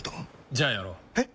じゃあやろう。え？